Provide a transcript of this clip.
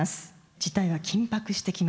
事態は緊迫してきました。